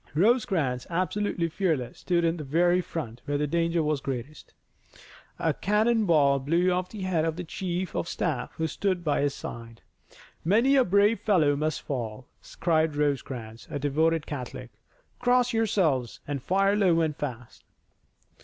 Rosecrans, absolutely fearless, stood in the very front where the danger was greatest. A cannon ball blew off the head of his chief of staff who stood by his side. "Many a brave fellow must fall!" cried Rosecrans, a devoted Catholic. "Cross yourselves, and fire low and fast!"